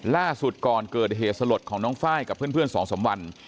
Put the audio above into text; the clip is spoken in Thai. ล่าสุดก่อนเกิดเหตุสลดของน้องไฟล์กับเพื่อน๒๓วัน